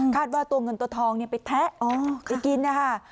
ว่าตัวเงินตัวทองไปแทะไปกินนะคะ